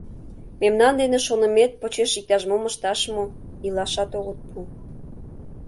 — Мемнан дене шонымет почеш иктаж-мом ышташ мо, илашат огыт пу...